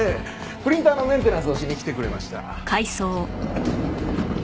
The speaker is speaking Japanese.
プリンターのメンテナンスをしに来てくれました。